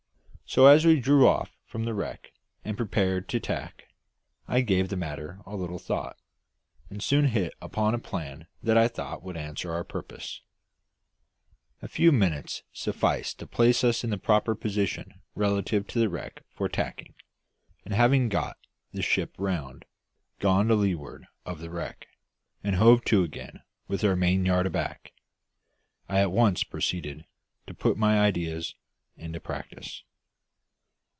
So as we drew off from the wreck, and prepared to tack, I gave the matter a little thought, and soon hit upon a plan that I thought would answer our purpose. A few minutes sufficed to place us in the proper position relative to the wreck for tacking, and having got the ship round, gone to leeward of the wreck, and hove to again with our mainyard aback, I at once proceeded to put my ideas into practice.